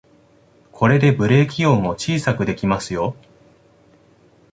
これでブレーキ音を小さくできますよ